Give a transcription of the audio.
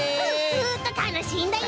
スッとたのしいんだよ！